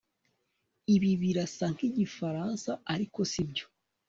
Ibi birasa nkigifaransa ariko sibyo